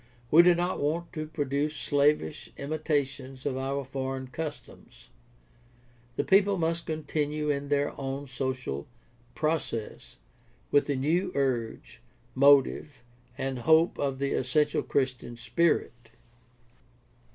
We do not want to produce slavish imitations of our foreign customs. The people must continue in their own social process with the PRACTICAL THEOLOGY 635 new urge, motive, and hope of the essential Christian spirit.